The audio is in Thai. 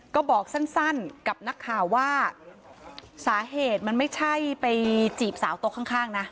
ก็บอกสั้นกับนักข่าวว่าสาเหตุมันไม่ใช่ไปจีบสาวโต๊ะข้างนะ